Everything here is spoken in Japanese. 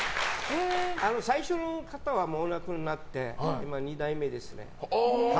最初の方はお亡くなりになって今、２代目ですね。